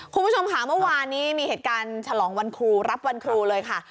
คุณผู้ชมค่ะเมื่อวานนี้มีเหตุการณ์ฉลองวันครูรับวันครูเลยค่ะ